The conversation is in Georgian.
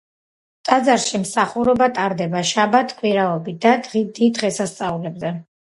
ტაძარში მსახურობა ტარდება შაბათ-კვირაობით და დიდ დღესასწაულებზე.